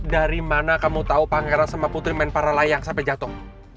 dari mana kamu tahu pangeran sama putri main para layang sampai jatuh